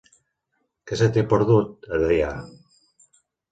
Què se t'hi ha perdut, a Deià?